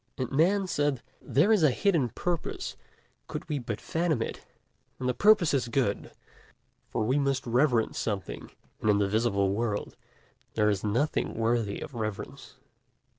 And Man said: 'There is a hidden purpose, could we but fathom it, and the purpose is good; for we must reverence something, and in the visible world there is nothing worthy of reverence.'